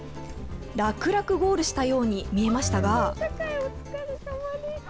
楽々ゴールしたように見えましたが。